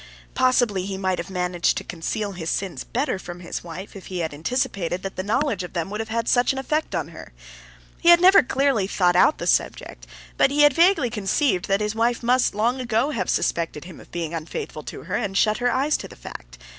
Possibly he might have managed to conceal his sins better from his wife if he had anticipated that the knowledge of them would have had such an effect on her. He had never clearly thought out the subject, but he had vaguely conceived that his wife must long ago have suspected him of being unfaithful to her, and shut her eyes to the fact.